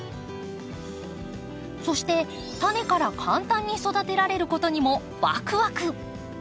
そしてタネから簡単に育てられることにもワクワク！